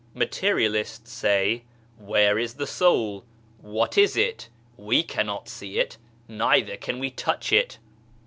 Materialists say, " Where is the soul ? What is it ? We cannot see it, neither can we touch it."